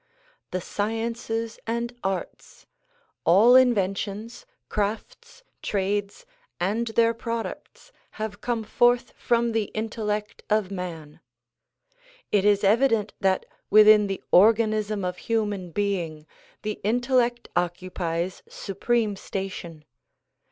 The sciences and arts, all inventions, crafts, trades and their products have come forth from the intellect of man. It is evident that within the or ganism of human being the intellect occupies supreme station.